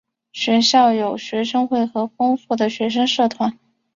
学校有学生会和丰富的学生社团。